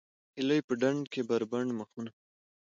هیلۍ په ډنډ کې بربنډ مخونه